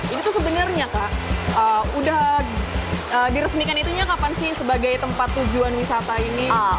ini tuh sebenarnya kak udah diresmikan itunya kapan sih sebagai tempat tujuan wisata ini